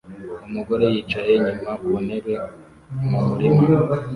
Umugore yicaye inyuma ku ntebe mu murima